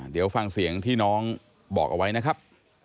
เดี๋ยวฟังเสียงที่น้องบอกเอาไว้นะครับ